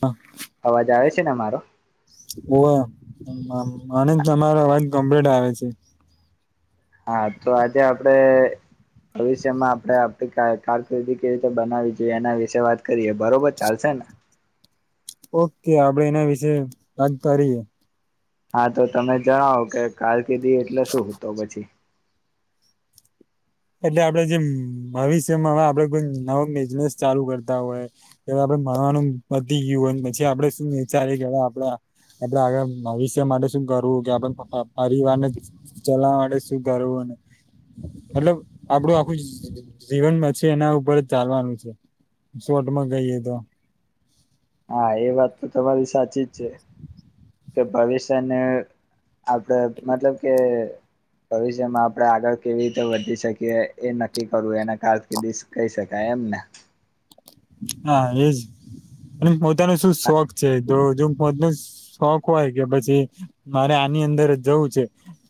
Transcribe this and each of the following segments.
હા અવાજ આવે છે ને મારો ઓ અમ મને તમારો અવાજ કમ્પ્લીટ આવે છે. હા તો આજે આપડે ભવિષ્યમાં આપડે આપ કારકિર્દી કેવી રીતે બનાવી જોઈએ એના વિશે વાત કરીએ બરોબર ચાલશે ને ઓકે આપડે એના વિશેે વાત કરીએ હા તો તમે જણાવો કે કારકિર્દી એટલે શું તો પછી એટલે આપડે જેમ ભવિષ્યમાં હવે આપડે કોઈ નવ બિઝનેસ ચાલુ કરતા હોય કે આપડે ભણવાનું પતી ગયું હોય પછી આપડે શું વિચારીએ કે હવે આપડ એટલે આગળ ભવિષ્ય માટે શું કરવું કે આપણે પા પરિવાર ને ચલાવા માટે શું કરવું ને મતલબ આપડું આખું જી જીવનમાં પછી એના ઉપર જ ચાલવાનું છે શોર્ટમાં કહીએ તો હા એ વાત તો તમારી સાચી જ છે કે ભવિષ્યને આપડ મતલબ કે ભવિષ્યમાં આપણે આગળ કેવી રીતે વધી શકીએ એ નક્કી કરવું એના કારકિર્દી કહી શકાય એમને. હા એજ અને પોતાનો શું શોખ છે. જો જો પોતાનો શોખ હોય કે પછી મારે આની અંદર જ જવું છે.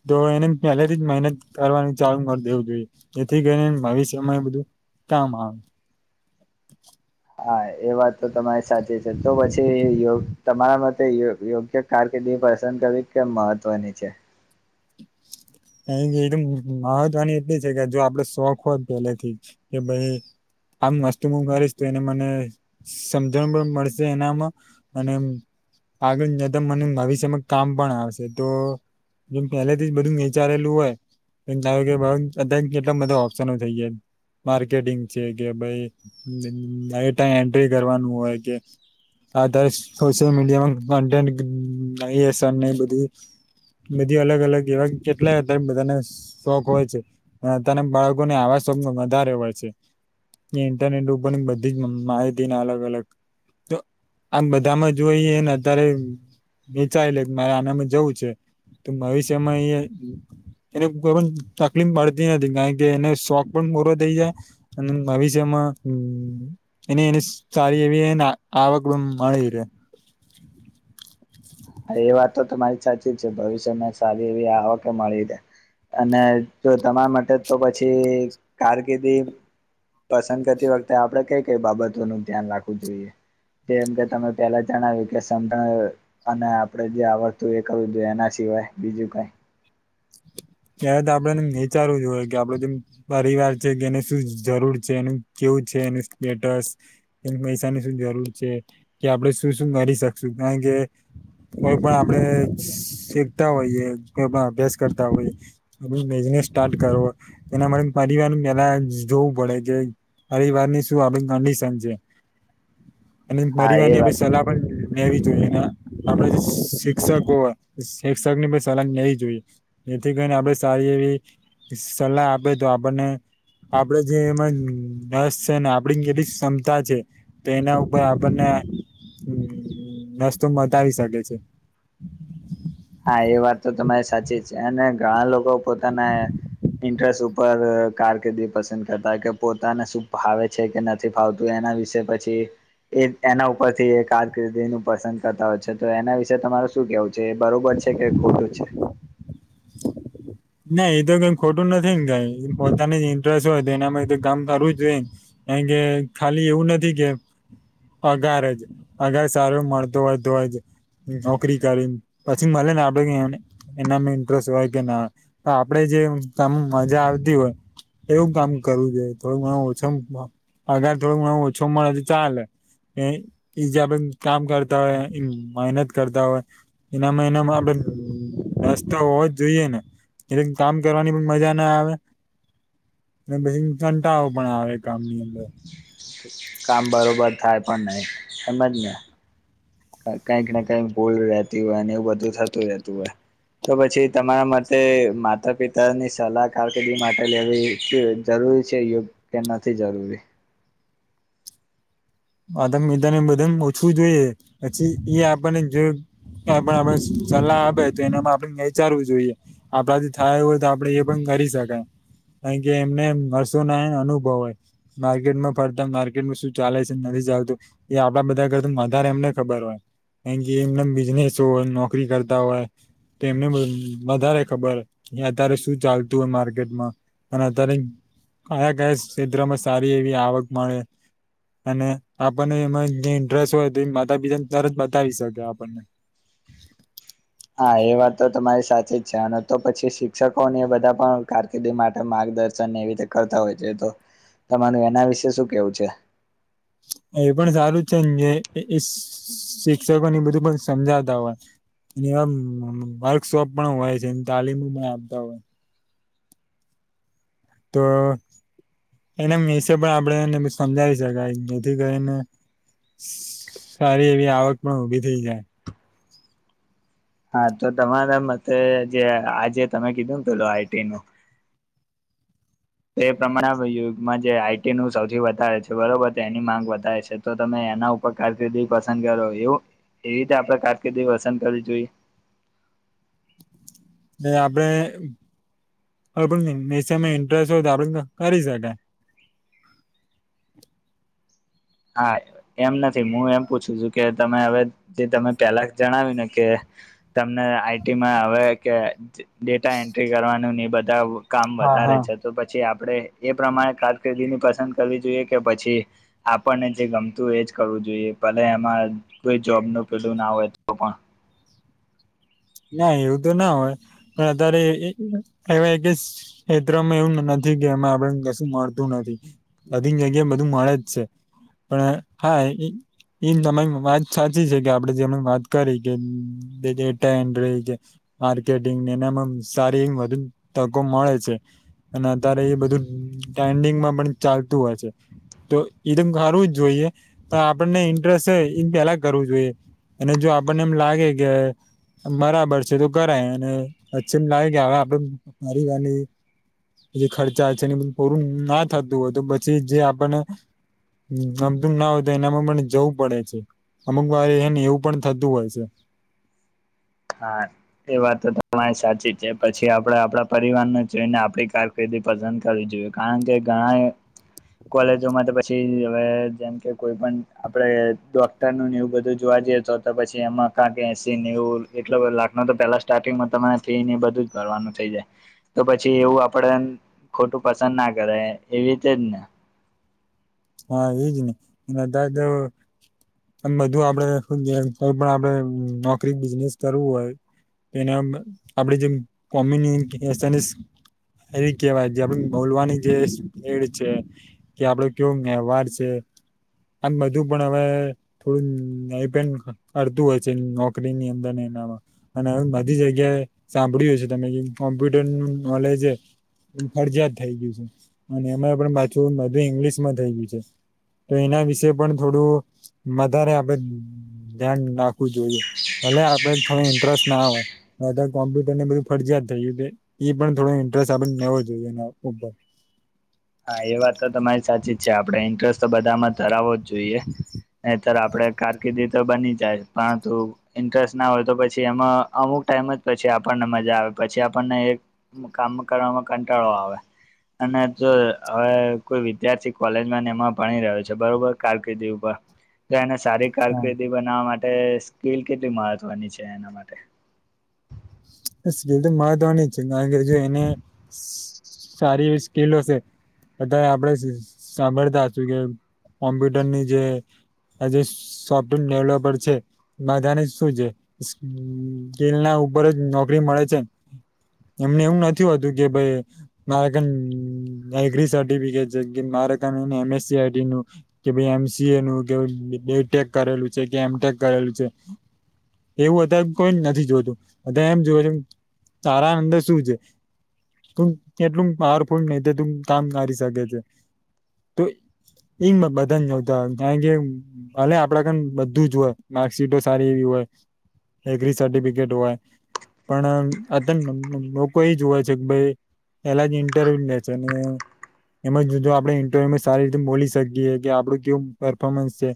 તો એને પહેલાથી જ મહેનત કરવાનું ચાલુ કરી દેવું જોઈએ. એથી કરીને ભવિષ્યમાં એ બધું કામ આવે. હા એ વાત તો તમારી સાચી છે તો પછી યોગ તમારા માટે યો યોગ્ય કારકિર્દી પસંદ કરવી કેમ મહત્વની છે. કારણ કે એકદમ મા મહત્વની એટલી છે કે જો આપડે શોખ હોય પેલે થી કે ભાઈ આમ મસ્ત હું કરીશ તો એને મને સમજણ પણ મળશે એનામાં અને આગળ જતા મને ભવિષ્યમાં કામ પણ આવશે તો જે પહેલેથી બધું વી વિચારેલું હોય કે ધારો કે [unintelligible] બધા ઓપ્શ નો થઈ જાય. માર્કેટિંગ છે કે ભાઈ ડાયટ એન્ટ્રી કરવાનું હોય કે આધારે સોશયલ મીડિયામાં [unintelligible] આઈ એસ આર ને એ બધું બધી અલગ અલગ એવા કેટલા [unintelligible] બધાને સા શોખ હોય છે [unintelligible] તને બાળકોને આવા શોખમાં વધારે હોય છે. ને ઇન્ટરનેટ ઉપર ની બધી જ માં માહિતીન અલગ અલગ તો આમ બધામાં જોઈએ ને અત્યારે મે ચાલે મારે આનામાં જવું છે તો ભવિષ્યમાં એ હમ્મ એને કોઈ પણ તકલીફ પડતી નથી કારણ કે એને શોખ પણ પૂરો થઈ જાય. અને ભવિષ્યમાં હમ્મ. એને એને સારી એવીને આવક માં મળી રહે. એ વાત તો તમારી સાચી જ છે ભવિષ્યમાં સારી એવી આવ કે મળી રહે. અને જો તમારા માટે તો પછી કારકિર્દી પસંદ કરતી વખતે આપડે કઈ કઈ બાબતોનું ધ્યાન રાખવું જોઈએ. જેમ કે તમે પેલા જણાવ્યું કે [unintelligible] અને આપડે જે આવડતું એ કાઉ [unintelligible] એના સિવાય બીજું કઈ ત્યારે તો આપણેને વિચારવું જોએ કે આપડે જેમ પરિવાર છે કે એને શું જરૂર છે એનું કેવું છે એનું સ્ટેટસ. પૈસાની શું જરૂર છે કે આપડે શું શું કરી શકશું કારણ કે કોઈ પણ આપડે શીખતા હોઈએ કોઈ પણ અભ્યાસ કરતા હોઈએ ને ભાઈ બિઝનેસ સ્ટાર્ટ કરવું એના માટે પરિવાર પેલા જોવું પડે કે પરિવાર ની શું આપણી કડિશન છે અને હા પરિવાર એ ની વાત આપણી સલાહ પણ લેવી જોઈએ અને આ આપડે જે શિક્ષકો આ શિક્ષક ની પણ સલાહ જોઈએ. થી કરીને આપણે સારી એવી સલાહ આપે તો આપણને આપડે જે એમાં રસ છે ને આપડી કેટલી ક્ષમતા છે. તેના ઉપર આપણને ના નસ્તો મતાવી શકે છે. હા એ વાત તો તમારી સાચી છે અને ઘણા લોકો પોતાના ઇન્ટરેસ્ટ ઉપર કારકિર્દી પસંદ કરતા હોય કે પોતાને શું ફાવે છે કે નથ થી ફાવતું એના વિશે પછી એ એના ઉપરથી એ કારકિર્દીનું પસંદ કરતા હોય છે તો એના વિશેે તમારે શું કેવું છે. બરોબર છે કે ખોટું છે. હ [inaudible] ના એ તો કઈ ખોટું નથી ન કાય પોતાની ઇન્ટરેસ્ટ હોય તો એનામાં તે કામ કરવું જ જોયેન. એન્જોય ખાલી એવું નથી કે પગાર જ અગાર સારું મળતું હોય તો જ નોકરી કરીન પછી મલેન આપડે ઈયોને ઈનામને ઇન્ટરેસ્ટ હોય. કે ના તો આપડે જે તમ મજા આવતી હોય એવું કામ કરવું જોઈએ થોડુંક ઘણુ ઓછો મ પગાર થોડુંક ઘણ ઓછો મળે ચાલે. એ બીજાબન કામ કરતા હોય ઈન મહેનત કરતા હોય એનામાં એનામાં આપડે રસ્તા હો જ જોઈએ ને એટલે કામ કરવાની પણ મજા ના આવે. ને બેહીન કંટાળો પણ આવે કામની અંદર. કામ બરોબર થાય પણ નહી એમજ ને. કંઈક ને કંઈક ભૂલ રહેતી હોય ને એવું બધું થતું રહેતું હોય. તો પછી તમારા માટે માતા પિતાની સલાહ કારકિર્દી માટે લેવી કે- જરૂરી છે યોગ કે નથી જરૂરી. માતા પિતાને બધાને પુછવુ જોઈએ પછી એ આપણને જો કંઈપણ આપડે સલાહ આપે તો એનામાં આપડે વિચારવું જોઈએ. આપડાથી થાય એવું હોય તો આપડે એ પણ કરી શકાય. નહીં કે એમ ને એમ હરસો ના એન અનુભવ હોય માર્કેટનો ફરતા માર્કેટમાં શું ચાલે છે. નથી ચાલતું એ આપડા બધા કરતું વધારે એમને ખબર હોય. એન જે એમન બિઝનેસ હોય નોકરી કરતા હોય તેમને બ વધારે ખબર હોય અતારે શું ચાલતું હોય માર્કેટમાં. અને અતારે કયા કયા ક્ષેત્રમાં સારી એવી આવક મળે. અને આપણને એમાં જે ઇન્ટરેસ્ટ હોય તો એ માતા પિતાને તરત બતાવી શકે આપણને. હા એ વાત તો તમારી સાચી જ છે અને તો પછી શિક્ષકો ને બધા પણ કાર કિર્દી માટે માર્ગદર્શન એવી રીતે કરતા હોય છે તો તમાર એના વિશે શું કેવું છે. એ પણ સારું છે ને જે શિક્ષકોને બધું પણ સમજાતા હોય. ને એવા વર્કશોપ પણ હોય છે તાલીમ પણ આપતા હોય. તો એના મીશે પણ આપણેેને બી સમજાવી શકાય જેથી કરીને સારી એવી આવક પણ ઉભી થઇ જાય. હા તો તમારા મતે જે આજે તમે કીધુંને પેલું આઈટી નું તે પ્રમાણે યુગમાં જે આઈટી નું સૌથી વધારે છે બરોબર છે એની માંગ વધારે છે. તો તમે એના ઉપર કારકિર્દી પસંદ કરો એવું એવી રીતે આપડે કારકિર્દી પસંદ કરવી જોઈએ. એ આપડે કોઈપન મિશન મા ઇન્ટરેસ્ટ હોય તો આપડે કરી શકાય. હા એમ નથી હું એમ પૂછું છું કે તમે હવે જે તમે પેલા જણાવ્યું ને કે તમને આઈટીમાં આવે કે ડેટા એન્ટ્રી કરવાનું ને બધા કામ હા વધારે હા છે. તો પછી આપડે એ પ્રમાણે કારકિર્દીની પસંદ કરવી જોઈએ કે પછી પણને જે ગમતું એ જ કરવું જોઈએ ભલે એમાં કોઈ જોબનું પેલું ના હોય તો પણ. ના એવું તો ના હોય પણ અતારે એ કે [unintelligible] હેત્રમાં એવું નથી કે એમાં આપડે કશું મળતું નથી બધી જગ્યાએ બધું મળે જ શે પણ હા [unintelligible] એ તમારી [unintelligible] વાત સાચી છે કે આપડે જેમ વાત કરી કે [unintelligible] કે માર્કેટંગ એનામાં સારી વધુ તકો મળે છે અને અત્યારે એ બધું ટ્રેન્ડિંગમાં પણ ચાલતું હશે તો ઈતો કરવું જ જોઈએ તો આપણને ઇન્ટરેસ્ટ એ પેલા કરવું જોઈએ અને જો આપણને એમ લાગે કે બરાબર છે તો કરાય અને પ્છી નઈ લાગે કે હવે આપડ મારી વાની જે ખર્ચા છે એ બધ પૂરું ના થતું હોય તો પછી જે આપણને ગમતું ના હો તો એનામાં પણ જવું પડે છે અમુક વાર એને એવું પણ થતું હોય છે હા એ વાત તો તમારી સાચી જ છે પછી આપડે આપડા પરિવારને જોઈને આપણી કારકિર્દી પસંદ કરવી જોઈએ કારણ કે ઘણા એ કોલેજોમાં તો પછી હવે જેમ કે કોઈ પણ આપડે ડોક્ટર નું વું બધું જોવા જઈએ તો તો પછી એમાં કાગ એસી નેઉ એટલો બ લાખનો તો પેલા સ્ટાર્ટિંગમાં તમને ફી ને બધું જ ભરવાનું થઈ જાય તો પછી એવું આપડે ખોટું પસંદ ના કરાય એવી રીતે જ ને હા એજ ને [unintelligible] આમ બધું આપડે કોઈ પણ આપડે નોકરી બિઝનેસ કરવું હોય એના આપડી જે કોમી [unintelligible] એવી જ કેહેવાય જે આપની બોલવાની જેે એડ છે કે આપડ કેવું વહેવાર છે આમ બધું પણ હવે થોડું ન પણ કરડતું હોય છે નોકરી ની અંદર ને એનામાં અને હવે બધી જગ્યાએ સાંભળ્યું હ છે તમે કોમ્પ્યુટર નું નોલેજ એ એ ફરજીિયાત થઈ ગયું છે અને એમાં પણ પાછું બધું ઈંગ્લિશમાં થઈ ગયું છે તો એના વિશે પણ થોડું વધારે આપને ધ્યાન રાખવું જોઈએ ભલે આપડે થોડી ઇન્ટરેસ્ટ ના હોય કોમ્પ્યુટર ને બધું ફરજીયાત થઈ ગયુ ઈ પણ થડો ઇન્ટરેસ્ટ આપને લેવો જોઈએ એના ઉપર હા એ વાત તો તમારી સાચી જ છે આપણેે ઇન્ટરેસ્ટ તો બધામાં ધરાવો જ જોઈએ નાઈતર આપડે કારકિર્દી તો બની જાય પરંતુ ઇન્ટરેસ્ટ ના હોય તો પછી એમાં અમુક ટાઈમ પછી આપને મજા આવે પછી આપણને એક કામ કરવામાં કંટાળો આવે અને જો હવે કોઈ વિદ્યાર્થી કોલેજમાં ને એમાં ભણી રહ્યો છે બરોબર કારકિર્દી ઉપર તો એને સારી હા કારકિર્દી બનાવવા માટે સ્કીલ કેટલી મહત્વની છે એના માટે સ્કિલ તો મહત્વાની જ છે કારણ કે જો એને સારી એવી સ્કિલ હશે અત્યારે આપણે સાંભળતાશું કે કોમ્પ્યુટર ની જે આ જે સોફ્ટવેર ડેવલોપર છે બધાને શું છે સ્કિલ ના ઉપર જ નોકરી મળે છે એમને એવું નથી હોતું કે ભાઈ મારે કન અગ્રિ સર્ટિફિકેટ છે મારે કન અમે એ સી ઈદી નુ કે ભાઈ એમ સી એ નું બી ટેક કરેલું છે કે એમટેક કરેલું છે એવું અત્યારે કોઈ નથી જોતું તેમ જોવે છે તારા અંદર શું છે? તું કેટલું બારફોડ નઈ તે તું કામ કરી શકે છે. તોય હિમત બધાની જોતા ભલે આપડા કમ બધું જ હોય માર્કશીટો સારી એવી હોય, ડીગ્રી સર્ટિફિકેટ હોય પણ આ તમે લોકો એ જોવે છે કે ભઈ એલા જે‌‌ ઇન્ટરવ્યુ લે છે. એમજ જો જો આપડે ઇન્ટરવ્યુમાં સારી રીતે બોલી શકીએ કે આપડું કેવું પરર્ફોર્મન્સ છે.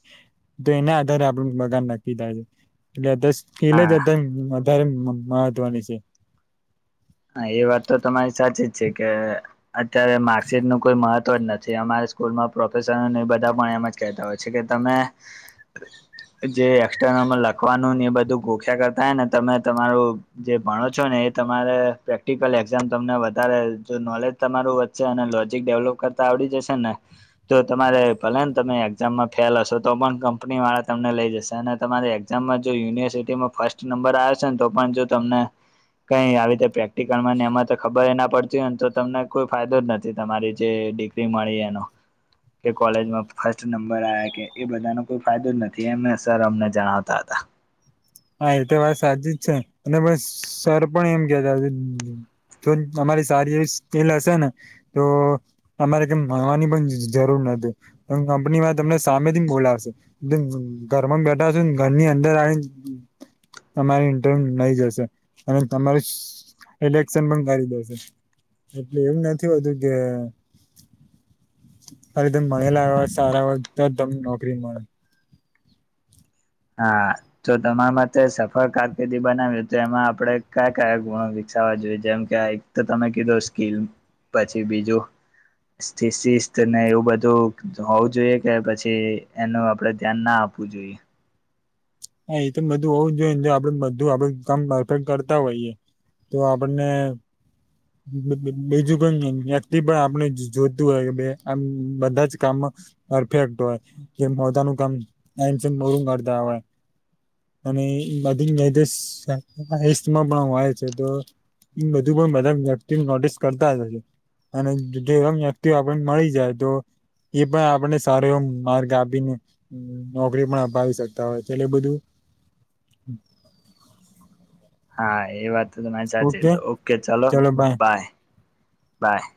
તો એના આધારે આપડું પગાર નકકી થાય છે. એટલે દસ એલે જ હા અધારે વધારે મહત્વની છે. હા, એ વાત તો તમારી સાચી જ છે કે અત્યારે માર્કશીટ નું કોઈ મહત્વ જ નથી અમારે સ્કૂલમાં પ્રોફેસરને એ બધા પણ એમ જ કહેતા હોય છે કે તમે જે એક્સમ લખવાનું એ બધું ગોખ્યા કરતા હોને તમે તમારું જે ભણો છો ને એ તમારે પ્રેક્ટિકલ એક્ઝામ તમને વધારે જો નોલેજ તમારું વધશે અને લોજિક ડેવલોપ કરતા આવડી જશેને? તો તમારે ભલે ને તમે એક્ઝામમાં ફેલ હશો તો પણ કંપનીવાળા તમને લઈ જશે અને તમારે જો યુનિવર્સિટીમાં ફર્સ્ટ નંબર આવે છેને તો પણ જો તમને કઈ આવી રીતે પ્રે ને એમાં તો ખબર એના પડતી હોયને તો તમને કોઈ ફાયદો જ નથી તમારી જે ડિગ્રી મળી એનો. કે કોલેજમાં ફસ્ટ નંબર આવ્યા કે એ બધાનો કોઈ ફાયદો જ નથી એમ સર અમને જણાવતા હતા. હા, એતો વાત સાચી જ છે અને મને સર પણ એમ કેતા. જો અમારી સારી એવી સ્કીલ હશે ને તો અમારે કેમ ભણવાની પણ જરૂર નથી કંપનીમાં તમને સામેથી બોલાવશે. ઘરમાં બેઠા હશેને ઘરની અંદર આવીને. તમારી ઇન્ટરવ્યૂ લઈ જશે અને તમારે સિલેક્શન પણ કરી દેશે. એમ નથી હોતું કે ખાલી તમે ભણેલા હોય સારા હોય તો તમને નોકરી મળે. હા. તો તમારા માટે સફળ કારકિર્દી બનાવી તો એમાં આપણે કયા કયા ગુણો વિકસાવવા જોઈએ જેમ કે તો તમે કીધું સ્કીલ પછી બીજું થીસીસને એવું બધું હોવું જોઈએ કે પછી એનું આપણે ધ્યાન ના આપ જોઈએ. હા, એતો બધું હોવું જોઈએ ને જો આપણે બધું આપણે કામ પરફેક્ટ કરતા હોઈએ. તો આપણને બીજું કઈ વ્યક્તિ પણ આપણે જોતું હોય આમ બધાં જ કામો પરફેક્ટ હોય જે પોતાનું કામ ટાઇમસર પૂરું કરતા હોય. અને બધી મેજસ પણ હોય‌. બધું પણ બધાં વ્યક્તિ નોટિસ કરતા જ હોય છે. અને તે વ્યક્તિ આપણને મળી જાય તો એ પણ આપણને સારો એવો માર્ગ આપીને નોકરી પણ અપાવી શકતા હોય. એટલે બધું હા, એ વાત તો તમારી સાચી તો ઓકે ચાલો બાય, બાય.